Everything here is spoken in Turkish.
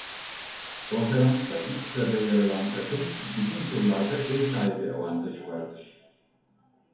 Konferansta ilk sırada yer alan takım Bütün turlarda ev sahibi avantajı vardır.